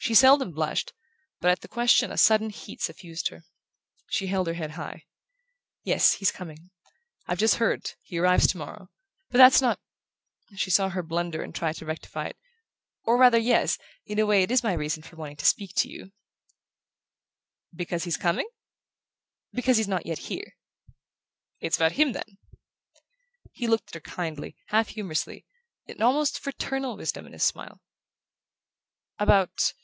She seldom blushed, but at the question a sudden heat suffused her. She held her head high. "Yes: he's coming. I've just heard. He arrives to morrow. But that's not " She saw her blunder and tried to rectify it. "Or rather, yes, in a way it is my reason for wanting to speak to you " "Because he's coming?" "Because he's not yet here." "It's about him, then?" He looked at her kindly, half humourously, an almost fraternal wisdom in his smile. "About